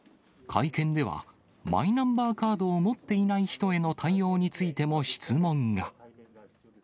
会見ではマイナンバーカードを持っていない人への対応についても質問が。